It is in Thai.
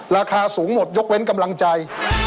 ราคาสูงหมดยกเว้นกำลังใจ